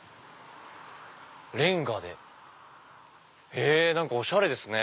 レンガで何かおしゃれですね！